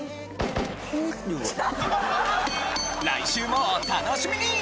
来週もお楽しみに！